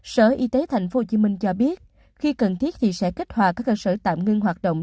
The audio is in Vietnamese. sở y tế tp hcm cho biết khi cần thiết thì sẽ kích hoạt các cơ sở tạm ngưng hoạt động